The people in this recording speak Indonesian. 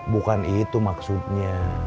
bukan itu maksudnya